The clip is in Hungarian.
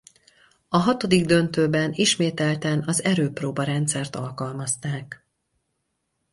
A hatodik döntőben ismételten az erőpróba-rendszert alkalmazták.